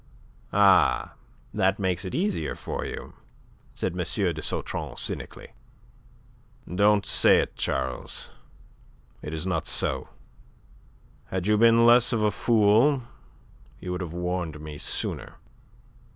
"Ah! That makes it easier for you," said M. de Sautron, cynically. "Don't say it, Charles. It is not so. Had you been less of a fool, you would have warned me sooner."